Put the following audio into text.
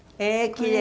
きれい。